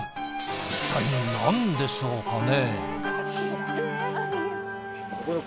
一体なんでしょうかね？